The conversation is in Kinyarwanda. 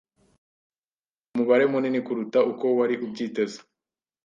Mumubare munini kuruta uko wari ubyiteze